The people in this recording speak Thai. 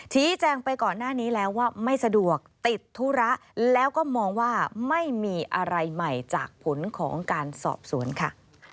ชี้แจงไปก่อนหน้านี้แล้วว่าไม่สะดวกติดธุระแล้วก็มองว่าไม่มีอะไรใหม่จากผลของการสอบสวนค่ะ